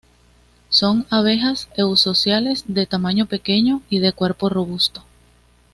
Son abejas eusociales de tamaño pequeño y de cuerpo robusto.